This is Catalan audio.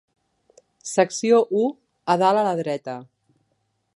Secció u - A dalt a la dreta.